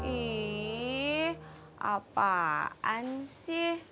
ih apaan sih